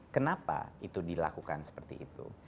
kenapa itu dilakukan seperti itu